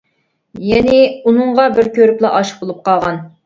يەنى ئۇنىڭغا بىر كۆرۈپلا ئاشىق بولۇپ قالغان.